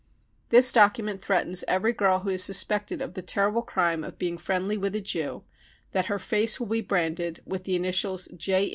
This document threatens every girl who is suspected of the terrible crime of being friendly with a Jew that her face will be branded with the initials J.